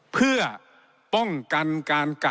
เพื่อป้องกันการกักตัว